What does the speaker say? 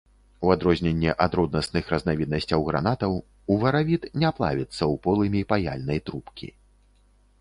У адрозненне ад роднасных разнавіднасцяў гранатаў, уваравіт не плавіцца ў полымі паяльнай трубкі.